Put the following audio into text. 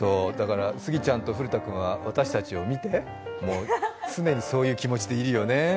杉ちゃんと古田君は私たちを見て常にそういう気持ちでいるよね。